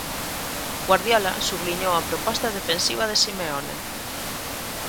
Guardiola subliñou a proposta defensiva de Simeone.